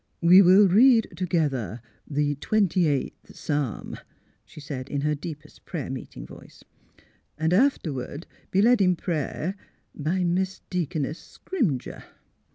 '^ We will read together the Twenty eighth Psa'm," she said, in her deepest prayer meeting voice, '^ and afterward be led in prayer by Mis' Deaconess Scrimger."